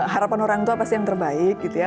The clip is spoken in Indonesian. harapan orang tua pasti yang terbaik gitu ya